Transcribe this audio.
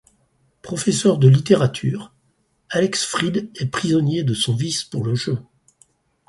Professeur de littérature, Alex Freed est prisonnier de son vice pour le jeu.